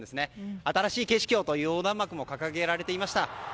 新しい景色をという横断幕も掲げられていました。